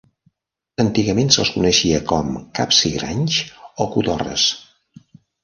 Antigament se'ls coneixia com capsigranys o cotorres.